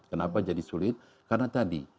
kenapa jadi sulit karena tadi